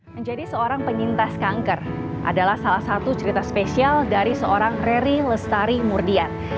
menjadi seorang penyintas kanker adalah salah satu cerita spesial dari seorang rery lestari murdian